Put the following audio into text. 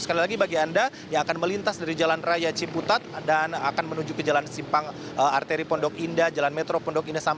sekali lagi bagi anda yang akan melintas dari jalan raya ciputat dan akan menuju ke jalan simpang arteri pondok indah jalan metro pondok indah